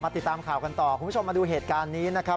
ติดตามข่าวกันต่อคุณผู้ชมมาดูเหตุการณ์นี้นะครับ